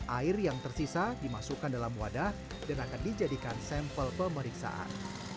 air yang tersisa dimasukkan dalam wadah dan akan dijadikan sampel pemeriksaan